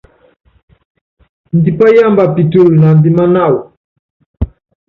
Ndipá yámba pitulu naandimána wam.